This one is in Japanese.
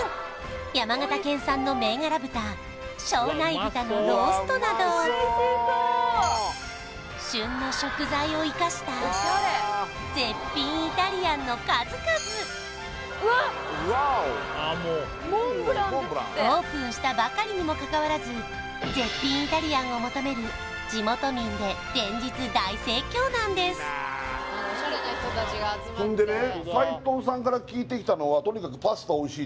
山形県産の銘柄豚庄内豚のローストなど旬の食材を生かした絶品イタリアンの数々オープンしたばかりにもかかわらず絶品イタリアンを求める地元民で連日大盛況なんですそんでね